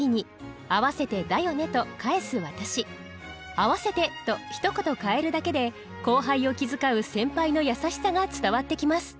「合わせて」とひと言変えるだけで後輩を気遣う先輩の優しさが伝わってきます。